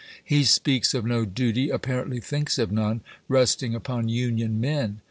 .. He speaks of no duty — apparently thinks of none — resting upon Union men.